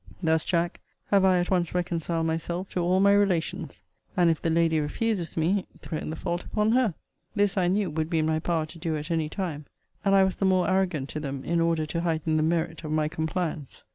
Thus, Jack, have I at once reconciled myself to all my relations and if the lady refuses me, thrown the fault upon her. This, I knew, would be in my power to do at any time: and I was the more arrogant to them, in order to heighten the merit of my compliance.